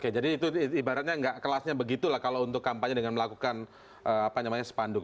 jadi itu ibaratnya tidak kelasnya begitu kalau untuk kampanye dengan melakukan sepanduk